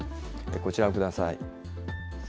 こちらご覧ください。